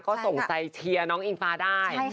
ก็ส่งใจเชียร์น้องอิงฟ้าได้